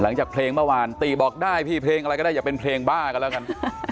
หลังจากเพลงเมื่อวานติบอกได้พี่เพลงอะไรก็ได้อย่าเป็นเพลงบ้ากันแล้วกัน